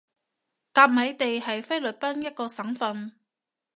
甲米地係菲律賓一個省份